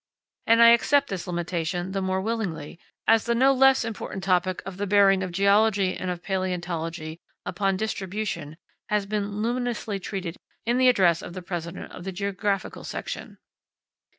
And I accept this limitation the more willingly as the no less important topic of the bearing of geology and of palaeontology upon distribution has been luminously treated in the address of the President of the Geographical Section.